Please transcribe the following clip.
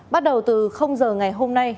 bắt đầu từ giờ ngày hôm nay